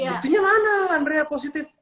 buktinya mana andrea positif